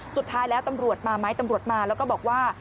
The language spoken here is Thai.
สุดท้ายแล้วตำรวจมาไหมตำรวจมาแล้วก็บอกว่า